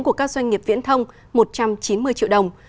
của các doanh nghiệp viễn thông một trăm chín mươi triệu đồng